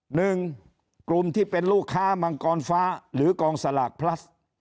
หนึ่งกลุ่มที่เป็นลูกค้ามังกรฟ้าหรือกองสลากพลัส